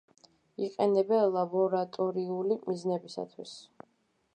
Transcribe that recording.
იყენებენ ლაბორატორიული მიზნებისათვის.